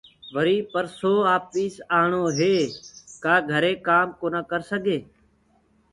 وريٚ پرسونٚ آپيٚس آڻو هي ڪآ گھري ڪآم ڪونآ ڪرسگي